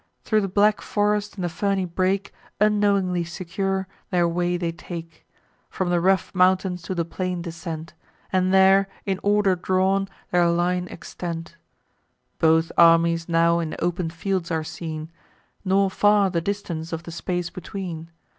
Thro' the black forest and the ferny brake, Unknowingly secure, their way they take; From the rough mountains to the plain descend, And there, in order drawn, their line extend. Both armies now in open fields are seen; Nor far the distance of the space between.